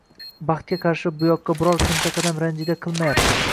Baxtga qarshi, buyoqqa biror kimsa qadam ranjida qilmayapti.